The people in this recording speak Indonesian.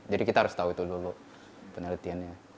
jadi kita harus tahu itu dulu penelitiannya